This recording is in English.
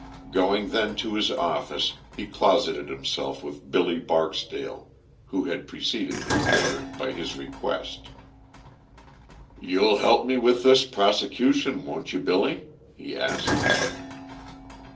Going then to his office he closeted himself with Billy Barksdale, who had preceded him thither by his request. "You'll help me with this prosecution, won't you Billy?" he asked.